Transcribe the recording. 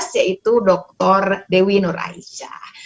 yaitu dr dewi nur aisyah